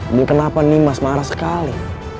ibu kenapa nih mas marah sekali